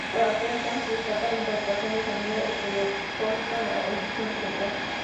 Por aquel entonces, se destaca la incorporación de sonido estereofónico en la edición central.